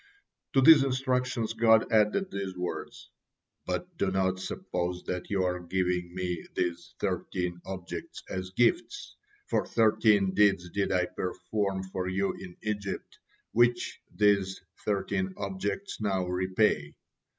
'" To these instructions, God added these words: "But do not suppose that you are giving Me these thirteen objects as gifts, for thirteen deed did I perform for you in Egypt, which these thirteen objects now repay.